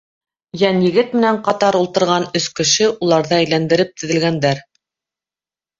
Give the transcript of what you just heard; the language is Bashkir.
Йәнйегет менән ҡатар ултырған өс кеше уларҙы әйләндереп теҙелгәндәр.